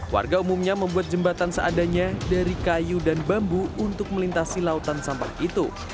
warga umumnya membuat jembatan seadanya dari kayu dan bambu untuk melintasi lautan sampah itu